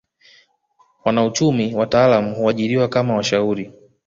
Wanauchumi wataalamu huajiriwa kama washauri